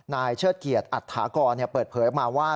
เชิดเกียจอัตถากรเปิดเผยออกมาว่า